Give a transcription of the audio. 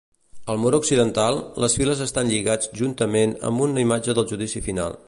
Al mur occidental, les files estan lligats juntament amb una imatge del Judici Final.